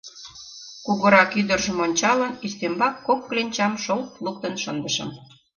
Кугурак ӱдыржым ончалын, ӱстембак кок кленчам шолт луктын шындышым.